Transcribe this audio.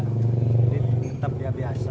jadi tetap ya biasa